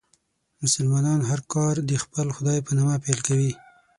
مسلمانان هر کار د خپل خدای په نامه پیل کوي.